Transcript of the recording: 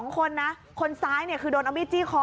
๒คนคนซ้ายคือโดนเอามีดจี้คอ